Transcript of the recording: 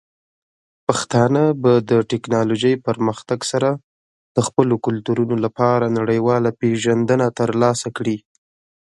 پښتانه به د ټیکنالوجۍ پرمختګ سره د خپلو کلتورونو لپاره نړیواله پیژندنه ترلاسه کړي.